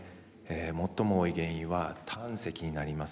最も多い原因は胆石になります。